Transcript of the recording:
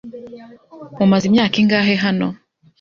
Mumaze imyaka ingahe hano?